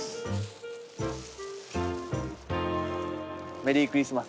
メリークリスマス。